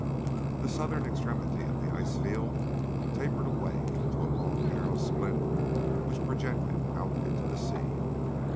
The southern extremity of the ice field tapered away into a long narrow spit which projected out into the sea.